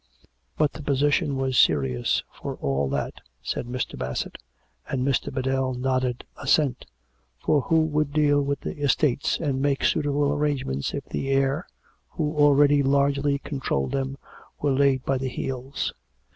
But the position was serious for all that, said Mr. Bassett (and Mr. Biddell nodded assent), for who would deal with the estates and make suitable arrangements if the heir, who already largely controlled them, were laid by the heels?